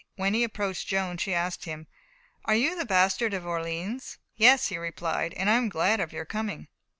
When he approached Joan, she asked him: "Are you the bastard of Orleans?" "Yes," he replied, "and I am glad of your coming."